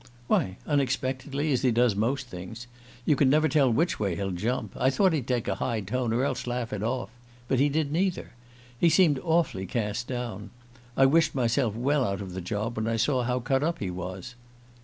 "Why, unexpectedly, as he does most things. You can never tell which way he'll jump. I thought he'd take a high tone, or else laugh it off; but he did neither. He seemed awfully cast down. I wished myself well out of the job when I saw how cut up he was."